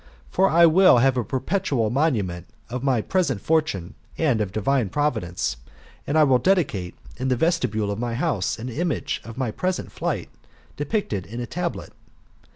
For I will leave a perpetual monument of 1.7 present fortune, and of divine providence; and I will dedicate, in the vestibule of my house, an image of my present flight, depicted in a tablet.